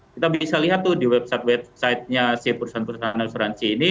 kita bisa lihat di website websitenya si perusahaan perusahaan asuransi ini